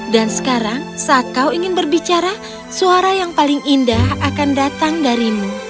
dan sekarang saat kau ingin berbicara suara yang paling indah akan datang darimu